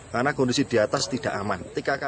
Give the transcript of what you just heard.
karena kondisi di atas tidak aman